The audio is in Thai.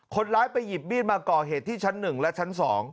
คนร้ายไปหยิบมีดมาก่อเหตุที่ชั้น๑และชั้น๒